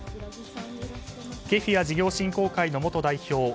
ケフィア事業振興会の元代表